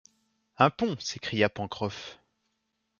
Un pont s’écria Pencroff